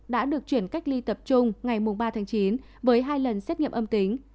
đã được chuyển cách ly tập trung ngày ba tháng chín với hai lần xét nghiệm âm tính